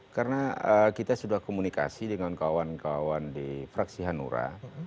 karena kita sudah komunikasi dengan kawan kawan di faksi hanura